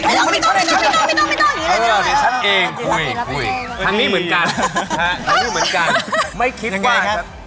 ต้องนะคะถูกต้องนะคะ